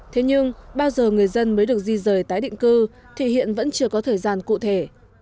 thế nhưng bao giờ người dân mới được di rời tái định cư thì hiện vẫn chưa có thời gian cụ thể